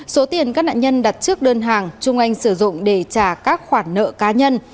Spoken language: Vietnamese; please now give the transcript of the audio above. số tiền các nạn nhân đặt trước đơn hàng trung anh sử dụng để trả các khoản nợ cá nhân